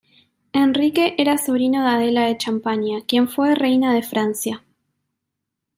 Enrique era sobrino de Adela de Champaña, quien fue reina de Francia.